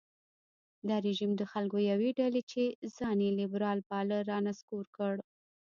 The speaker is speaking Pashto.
دا رژیم د خلکو یوې ډلې چې ځان یې لېبرال باله رانسکور کړ.